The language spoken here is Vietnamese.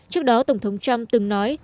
trước đó tổng thống trump từng nói